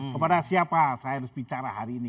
kepada siapa saya harus bicara hari ini